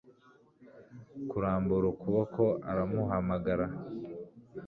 kurambura ukuboko aramuhamagara